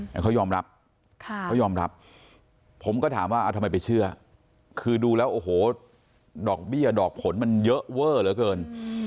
แต่เขายอมรับเขายอมรับผมก็ถามว่าทำไมไปเชื่อคือดูแล้วโอ้โหดอกเบี้ยดอกผลมันเยอะเวอร์เหลือเกิน